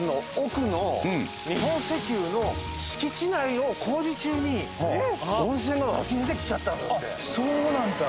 日本石油の敷地内を工事中に温泉が湧き出てきちゃったんだって。